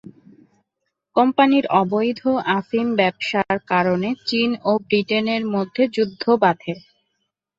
কোম্পানির অবৈধ আফিম ব্যবসার কারণে চীন ও ব্রিটেনের মধ্যে যুদ্ধ বাধে।